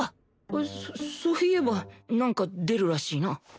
そそういえばなんか出るらしいな。